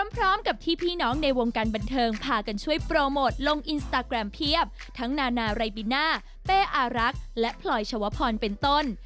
พร้อมกับที่พี่น้องในวงการบันเทิงพากันช่วยโปรโมทลงอินสตาแกรมเพียบทั้งนานาไรบิน่าเป้อารักษ์และพลอยชวพรเป็นต้น